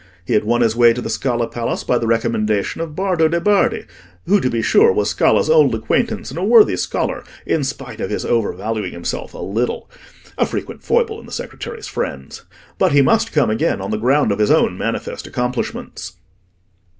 He had won his way to the Scala Palace by the recommendation of Bardo de' Bardi, who, to be sure, was Scala's old acquaintance and a worthy scholar, in spite of his overvaluing himself a little (a frequent foible in the secretary's friends); but he must come again on the ground of his own manifest accomplishments.